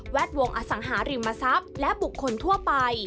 ดวงอสังหาริมทรัพย์และบุคคลทั่วไป